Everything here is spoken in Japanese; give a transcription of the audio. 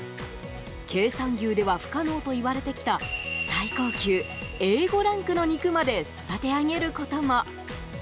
経産牛では不可能といわれてきた最高級Ａ５ランクの肉まで育て上げることも。